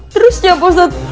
terus ya monster